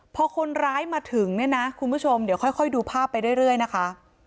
พอคนร้ายมาถึงเนี่ยนะคุณผู้ชมเดี๋ยวค่อยดูภาพไปเรื่อยนะคะ